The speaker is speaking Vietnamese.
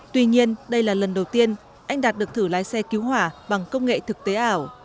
tuy nhiên đây là lần đầu tiên anh đạt được thử lái xe cứu hỏa bằng công nghệ thực tế ảo